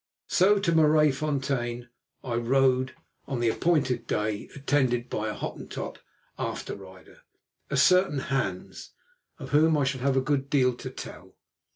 So to Maraisfontein I rode on the appointed day, attended by a Hottentot after rider, a certain Hans, of whom I shall have a good deal to tell.